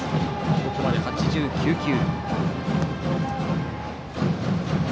ここまで８９球。